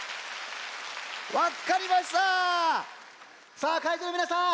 さあかいじょうのみなさん